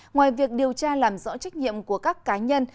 ngoài việc điều tra làm rõ trách nhiệm của các cá nhân